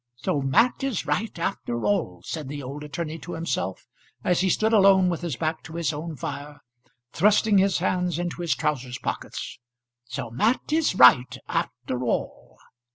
"So Mat is right after all," said the old attorney to himself as he stood alone with his back to his own fire, thrusting his hands into his trousers pockets. "So Mat is right after all!"